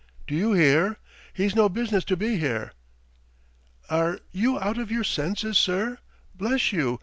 Do you hear? He's no business to be here!" "Are you out of your senses, sir, bless you?